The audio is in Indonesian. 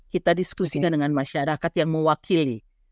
kita diskusikan dengan masyarakat yang mewakili